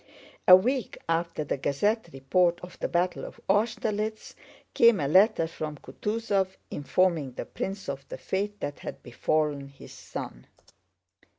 A week after the gazette report of the battle of Austerlitz came a letter from Kutúzov informing the prince of the fate that had befallen his son.